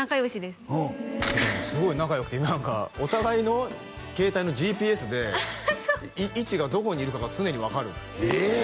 すごい仲良くて何かお互いの携帯のＧＰＳで位置がどこにいるかが常に分かるええっ？